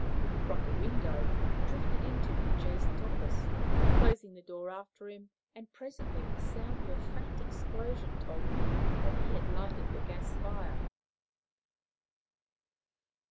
From the window he drifted into the adjacent office, closing the door after him; and presently the sound of a faint explosion told me that he had lighted the gas fire.